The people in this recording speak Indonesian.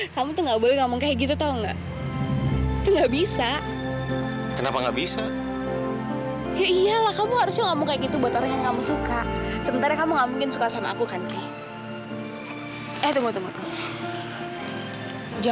sampai jumpa di video selanjutnya